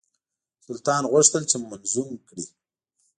سلطان غوښتل چې منظوم کړي.